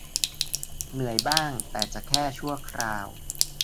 เหนื่อยบ้างแต่จะแค่ชั่วคราว